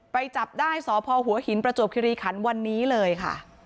จับได้สพหัวหินประจวบคิริขันวันนี้เลยค่ะ